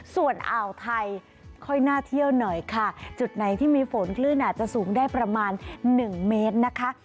ส่วนอ่าวไทยค่อยน่าเที่ยวหน่อยค่ะจุดไหนที่มีฝนคลื่นอาจจะสูงได้ประมาณ๑เมตรนะคะ